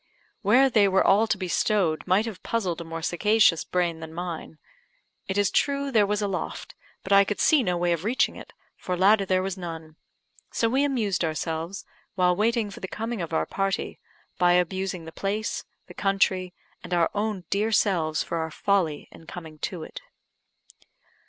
Where they were all to be stowed might have puzzled a more sagacious brain than mine. It is true there was a loft, but I could see no way of reaching it, for ladder there was none, so we amused ourselves, while waiting for the coming of our party, by abusing the place, the country, and our own dear selves for our folly in coming to it.